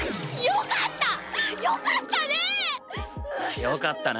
よかったな。